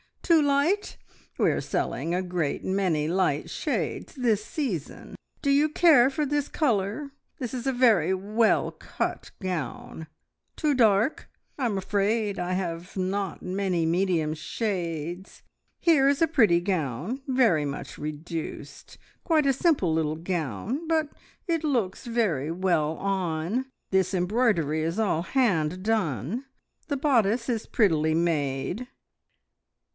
Too light? We are selling a great many light shades this season. Do you care for this colour? This is a very well cut gown. Too dark? I am afraid I have not many medium shades. Here is a pretty gown, very much reduced. Quite a simple little gown, but it looks very well on. This embroidery is all hand done. The bodice is prettily made."